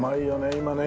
今ね。